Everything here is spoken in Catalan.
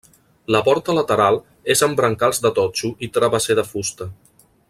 La porta lateral és amb brancals de totxo i travesser de fusta.